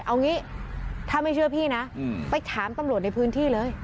เอางี้ถ้าไม่เชื่อพี่นะไปถามตำรวจในพื้นที่เลย